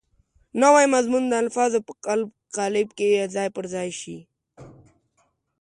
نوی مضمون د الفاظو په قالب کې ځای پر ځای شي.